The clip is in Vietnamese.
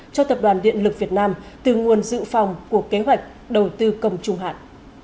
cho tập đoàn điện lực việt nam từ nguồn dự phòng của kế hoạch đầu tư công trung hạn